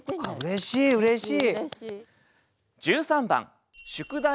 うれしいうれしい。